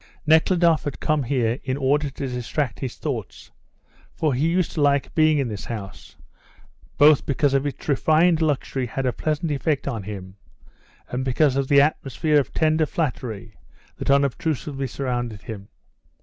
Nekhludoff had come here in order to distract his thoughts, for he used to like being in this house, both because its refined luxury had a pleasant effect on him and because of the atmosphere of tender flattery that unobtrusively surrounded him.